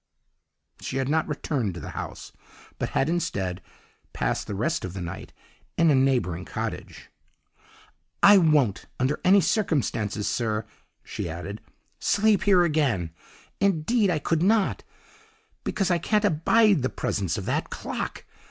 She had not returned to the house, but had, instead, passed the rest of the night in a neighbouring cottage. "'I won't, under any circumstances, sir,' she added, 'sleep here again. Indeed, I could not, because I can't abide the presence of that clock.